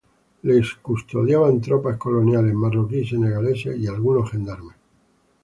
Les custodiaban tropas coloniales, marroquíes y senegaleses, y algunos gendarmes.